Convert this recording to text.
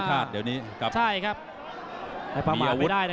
เดี๋ยวนี้กลับมีอาวุธพบหมดแล้ว